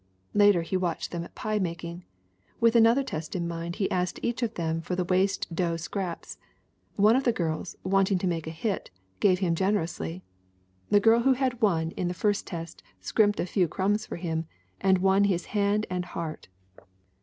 Later he watched them at pie making. With another test in mind he asked each of them for the waste dough scraps. One of the girls, wanting to make a hit, gave him generously. The girl who had won in HELEN R. MARTIN 223 the first test scrimped a few crumbs for him and won his hand and heart.